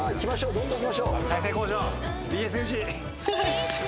どんどんいきましょう。